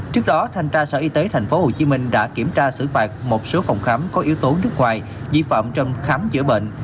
trước đó thanh tra sở y tế tp hcm đã kiểm tra xử phạt một số phòng khám có yếu tố nước ngoài di phạm trong khám chữa bệnh